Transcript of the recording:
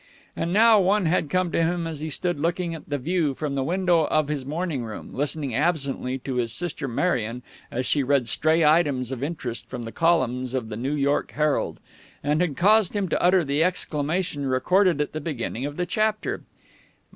And now one had come to him as he stood looking at the view from the window of his morning room, listening absently to his sister Marion as she read stray items of interest from the columns of the New York Herald, and had caused him to utter the exclamation recorded at the beginning of the chapter.